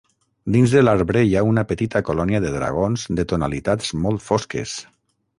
Dins de l'arbre hi ha una petita colònia de dragons de tonalitats molt fosques.